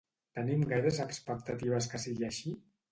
Tenim gaires expectatives que sigui així?